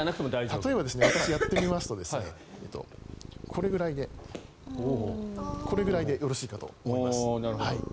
例えば、私やってみますとこれぐらいでよろしいかと思います。